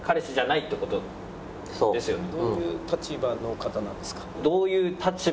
「どういう立場の方なんですか？」。